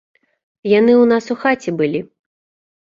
Яны ў нас у хаце былі.